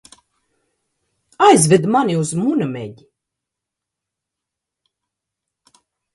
Aizved mani uz Munameģi!